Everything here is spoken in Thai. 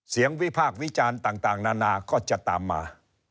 เสียงวิภาควิจารณ์ต่างนานาก็จะตามมา